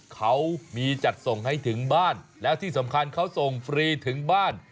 เขามีจัดส่งให้ถึงบ้านแล้วที่สำคัญเขาส่งฟรีถึงบ้าน